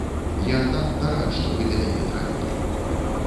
Я надта рад, што вы да мяне трапілі.